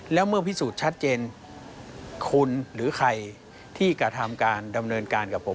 แล้วเมื่อพิสูจน์ชัดเจนคุณหรือใครที่กระทำการดำเนินการกับผม